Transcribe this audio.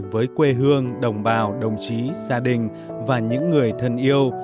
với quê hương đồng bào đồng chí gia đình và những người thân yêu